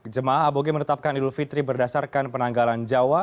jemaah aboge menetapkan idul fitri berdasarkan penanggalan jawa